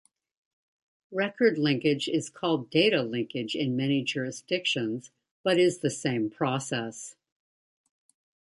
Record linkage is called data linkage in many jurisdictions, but is the same process.